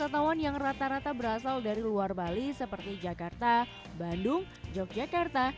wisatawan yang rata rata berasal dari luar bali seperti jakarta bandung yogyakarta